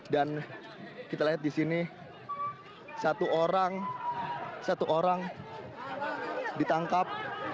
dan kita lihat di sini satu orang ditangkap